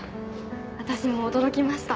私も驚きました。